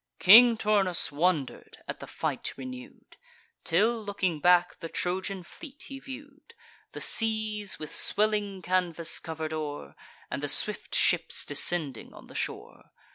King Turnus wonder'd at the fight renew'd, Till, looking back, the Trojan fleet he view'd, The seas with swelling canvas cover'd o'er, And the swift ships descending on the shore.